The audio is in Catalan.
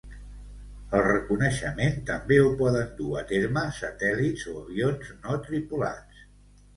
El reconeixement també ho poden dur a terme satèl·lits o avions no tripulats.